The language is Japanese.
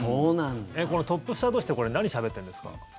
このトップスター同士ってこれ、何しゃべってるんですか。